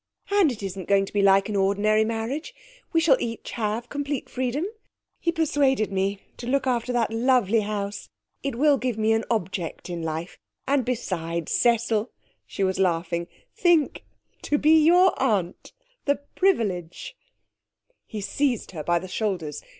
And it isn't going to be like an ordinary marriage. We shall each have complete freedom. He persuaded me to look after that lovely house. It will give me an object in life. And besides, Cecil,' she was laughing, 'think to be your aunt! The privilege!' He seized her by the shoulders.